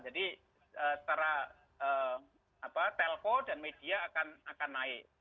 jadi setelah telco dan media akan naik